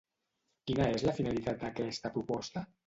Quina és la finalitat d'aquesta proposta?